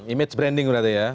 image branding berarti ya